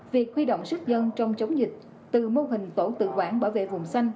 việc huy động sức dân trong chống dịch từ mô hình tổ tự quản bảo vệ vùng xanh